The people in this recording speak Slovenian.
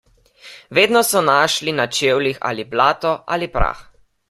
Vedno so našli na čevljih ali blato ali prah.